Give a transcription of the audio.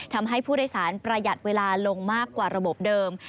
ทำให้ผู้โดยสารประหยัดเวลาลงมากกว่าระบบเดิม